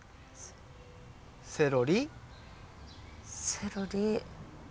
セロリ。